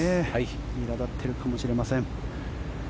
いら立っているかもしれません。